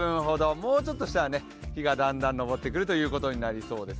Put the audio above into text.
もうちょっとしたら日がたんだん上ってくるということになりそうです。